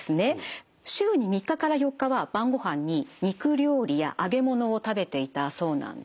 週に３日から４日は晩ごはんに肉料理や揚げ物を食べていたそうなんです。